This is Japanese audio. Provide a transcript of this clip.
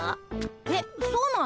えっそうなの？